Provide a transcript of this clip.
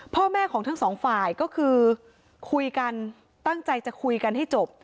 พ่อแม่ของทั้งสองฝ่ายก็คือคุยกันตั้งใจจะคุยกันให้จบ